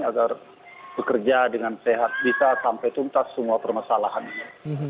agar bekerja dengan sehat bisa sampai tuntas semua permasalahannya